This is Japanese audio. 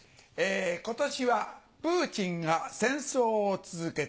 今年はプーチンが戦争を続けた。